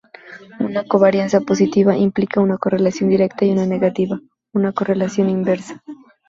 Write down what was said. Una covarianza positiva implica una correlación directa y una negativa, una correlación inversa.